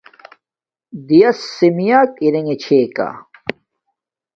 دِیَس سِمِیݳک ارِنݺ چھݺ کݳ.